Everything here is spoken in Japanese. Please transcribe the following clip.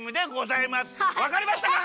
わかりましたか？